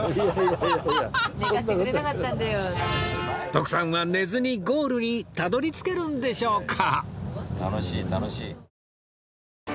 徳さんは寝ずにゴールにたどり着けるんでしょうか？